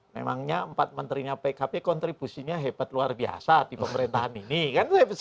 memangnya empat menterinya pkb kontribusinya hebat luar biasa di pemerintahan ini